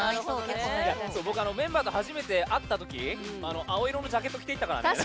メンバーと初めて会ったとき青色のジャケット着ていったからね。